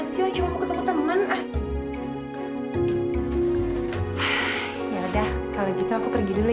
cuek cuek aja kalo ketemu sama cowok